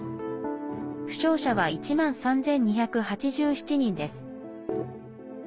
負傷者は１万３２８７人です。